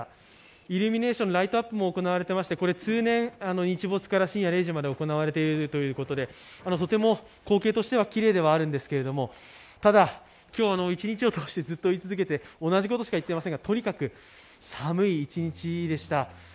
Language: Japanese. イルミネーション、ライトアップも行われていまして通年、日没から深夜０時まで行われているということですが、とても光景としてはきれいですが、ただ、今日一日を通してずっと居続けて同じことしか言っていませんが、とにかく寒い１日でした。